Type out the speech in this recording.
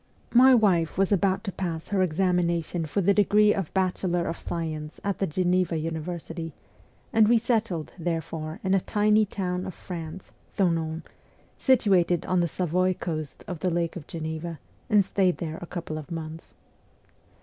My wife was about to pass her examination for the degree of Bachelor of Science at the Geneva Uni versity, and we settled, therefore, in a tiny town of France, Thonon, situated on the Savoy coast of the Lake of Geneva, and stayed there a couple of months.